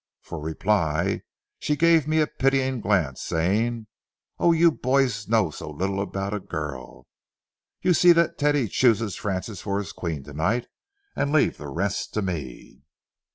For reply she gave me a pitying glance, saying, "Oh, you boys know so little about a girl! You see that Teddy chooses Frances for his Queen to night, and leave the rest to me."